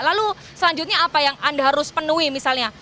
lalu selanjutnya apa yang anda harus penuhi misalnya